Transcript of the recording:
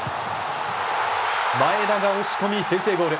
前田が押し込み先制ゴール。